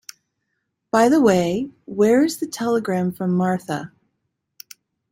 By the way, where is the telegram from Marthe?